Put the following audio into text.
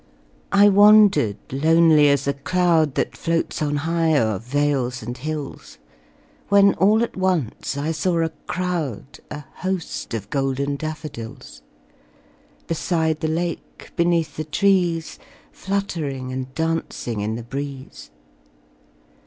I wandered lonely as a cloud That floats on high o'er vales and hills, When all at once I saw a crowd, A host of golden daffodils: Beside the lake, beneath the trees, Fluttering and dancing in the breeze.